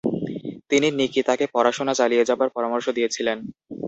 তিনি নিকিতাকে পড়াশোনা চালিয়ে যাবার পরামর্শ দিয়েছিলেন।